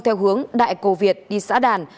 theo hướng đại cổ việt đi xã đàn